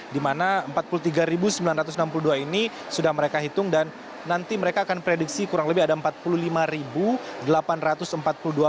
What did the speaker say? di mana empat puluh tiga sembilan ratus enam puluh dua ini sudah mereka hitung dan nanti mereka akan prediksi kurang lebih ada empat puluh lima pergerakan pesawat